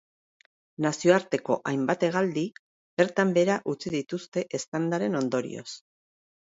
Nazioarteko hainbat hegaldi bertan behera utzi dituzte eztandaren ondorioz.